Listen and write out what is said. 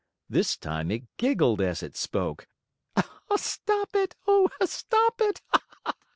This time it giggled as it spoke: "Stop it! Oh, stop it!